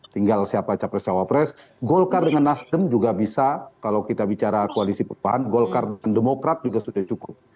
tinggal siapa capres cawapres golkar dengan nasdem juga bisa kalau kita bicara koalisi perubahan golkar dan demokrat juga sudah cukup